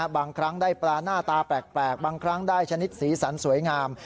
บางครั้งได้ปลาหน้าตาแปลกบางครั้งได้ชนิดสีสันสวยงาม